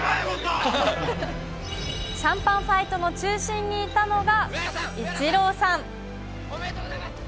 シャンパンファイトの中心にいたのがイチローさん。